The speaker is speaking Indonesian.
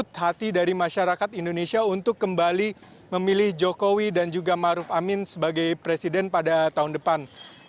jadi bagaimana pendukung dari masyarakat indonesia untuk kembali memilih jokowi dan juga ma'ruf amin sebagai presiden pada tahun depan